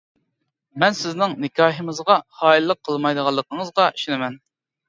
مەن سىزنىڭ نىكاھىمىزغا خائىنلىق قىلمايدىغانلىقىڭىزغا ئىشىنىمەن.